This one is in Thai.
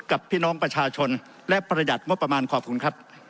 กับพี่น้องประชาชนและประหยัดงบประมาณขอบคุณครับ